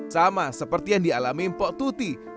sama seperti yang dialami mpok tuti